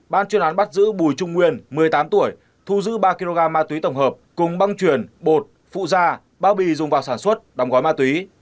ban chuyên án tạm giữ một mươi tám tuổi thu giữ ba kg ma túy tổng hợp cùng băng chuyển bột phụ da bao bì dùng vào sản xuất đóng gói ma túy